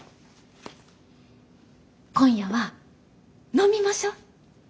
今夜は飲みましょう！